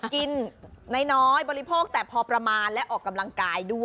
กินน้อยบริโภคแต่พอประมาณและออกกำลังกายด้วย